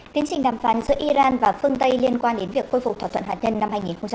tiến trình đàm phán giữa iran và phương tây liên quan đến việc khôi phục thỏa thuận hạt nhân năm hai nghìn một mươi năm